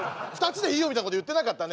２つでいいよみたいなこと言ってなかった？